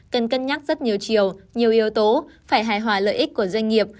cần cân nhắc rất nhiều chiều nhiều yếu tố phải hài hòa lợi ích của doanh nghiệp